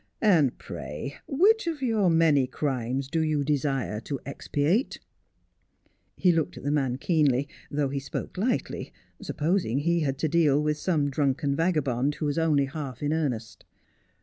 And pray which of your many crimes do you desire to expiate 1 ' He looked at the man keenly, though he spoke lightly, sup posing he had to deal with some drunken vagabond who was only half in earnest.